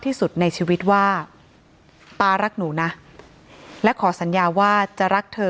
ที่สุดในชีวิตว่าป๊ารักหนูนะและขอสัญญาว่าจะรักเธอ